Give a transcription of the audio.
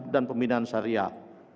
dan pembinaan syariah